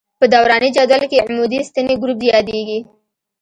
په دوراني جدول کې عمودي ستنې ګروپ یادیږي.